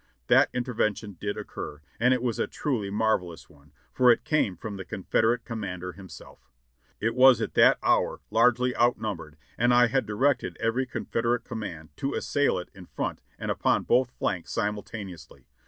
That in tervention did occur, and it was a truly marvelous one, for it came from the Confederate commander himself. It was at that hour largelv outnumbered, and I had directed everv Confederate 654 JOHNNY REB AND BILLY YANK command to assail it in front and upon both flanks simulta neously.